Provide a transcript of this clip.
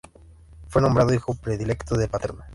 Fue nombrado hijo predilecto de Paterna